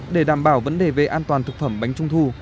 để đảm bảo vấn đề về an toàn thực phẩm bánh trung thu